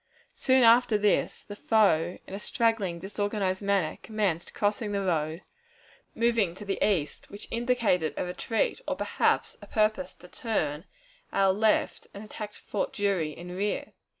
Soon after this, the foe in a straggling, disorganized manner, commenced crossing the road, moving to the east, which indicated a retreat, or perhaps a purpose to turn our left and attack Fort Drury in rear.